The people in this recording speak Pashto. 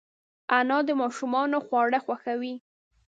انا د ماشومانو خواړه خوښوي